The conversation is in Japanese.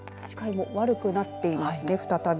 視界も悪くなっていますね。